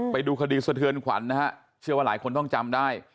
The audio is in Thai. ไปดูคดีสะเทือนขวัญนะฮะเชื่อว่าหลายคนต้องจำได้